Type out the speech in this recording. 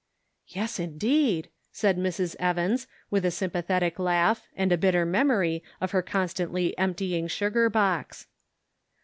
" Yes, indeed," said Mrs. Evans, with a sympathetic laugh, and a bitter memory of her constantly emptying sugar box.